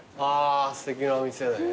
すてきなお店だね。